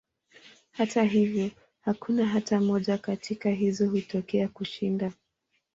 Hata hivyo, hakuna hata moja katika hizo kutokea kushinda.